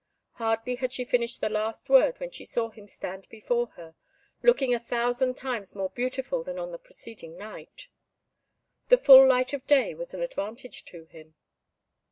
Hardly had she finished the last word when she saw him stand before her, looking a thousand times more beautiful than on the preceding night. The full light of day was an advantage to him.